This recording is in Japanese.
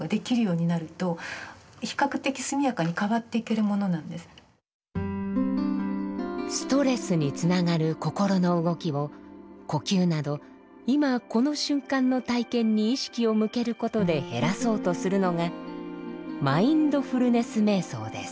臨床心理学ではストレスにつながる心の動きを呼吸など今この瞬間の体験に意識を向けることで減らそうとするのがマインドフルネス瞑想です。